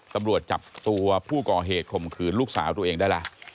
ตำรวจจับตัวผู้ก่อเหตุข่มขืนลูกสาวตัวเองได้แล้ว